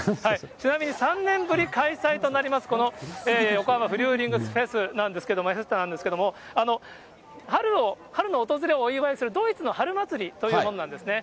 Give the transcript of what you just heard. ちなみに３年ぶり開催となります、この横浜フリューリングフェストなんですけれども、春の訪れをお祝いするドイツの春祭りというものなんですね。